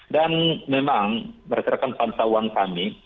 dan memang berdasarkan pantauan kami